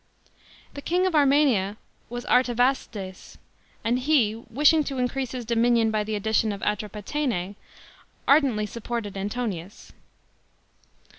The king of Armenia was Artavasdes, and he, wishing to increase his dominion by the addition of Atropatene, ardently supported Ant'>nius.